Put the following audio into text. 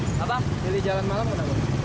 kenapa pilih jalan malam juga deh bang